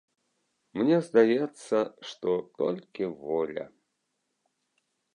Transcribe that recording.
Мне здаецца, што толькі воля.